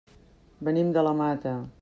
Venim de la Mata.